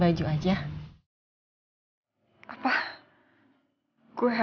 buat facebookin gitu nih ya